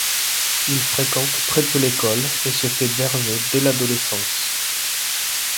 Il fréquente très peu l'école et se fait berger dès l'adolescence.